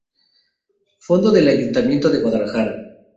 Fondo del Ayuntamiento de Guadalajara.